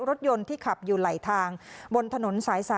รถยนต์ที่ขับอยู่ไหลทางบนถนนสาย๓